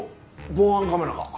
防犯カメラか。